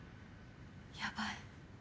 やばい。